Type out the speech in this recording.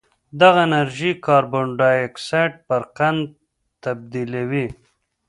دغه انرژي کاربن ډای اکسایډ پر قند تبدیلوي